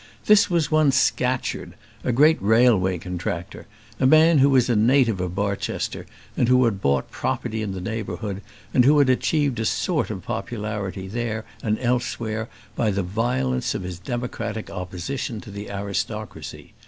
This was one Scatcherd, a great railway contractor, a man who was a native of Barchester, who had bought property in the neighbourhood, and who had achieved a sort of popularity there and elsewhere by the violence of his democratic opposition to the aristocracy.